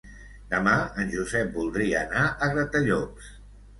Demà en Josep voldria anar a Gratallops.